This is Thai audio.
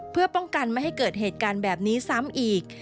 เพื่อป้องกันไม่ให้เกิดเหตุการณ์แบบนี้ซ้ำอีก